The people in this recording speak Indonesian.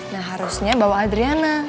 nah harusnya bawa adriana